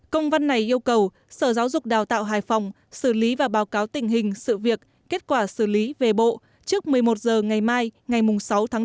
công văn này yêu cầu sở giáo dục đào tạo hải phòng xử lý và báo cáo tình hình sự việc kết quả xử lý về bộ trước một mươi một h ngày mai ngày sáu tháng bốn